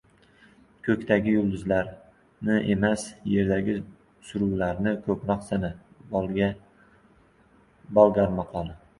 Ko‘kdagi yulduzlarni emas, yerdagi suruvlarni ko‘proq sana. Bolgar maqoli